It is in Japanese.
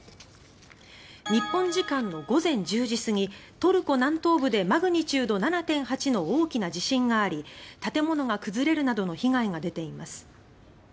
日本時間の午前１０時過ぎトルコ南東部でマグニチュード７．８の大きな地震があり建物が崩れるなどの被害が出ています。